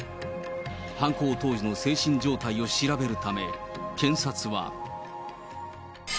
犯行当時の精神状態を調べるため、検察は。